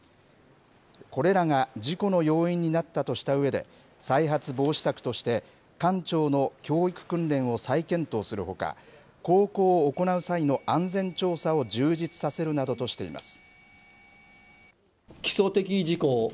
これらが事故の要因になったとしたうえで、再発防止策として、艦長の教育訓練を再検討するほか、航行を行う際の安全調査を充実させるなどとしています。